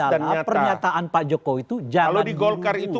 yang ada adalah pernyataan pak jokowi itu jangan diunggu